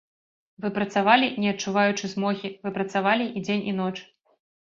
Вы працавалі, не адчуваючы змогі, вы працавалі і дзень і ноч.